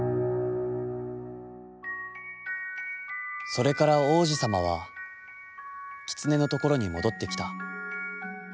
「それから王子さまは、キツネのところに戻ってきた。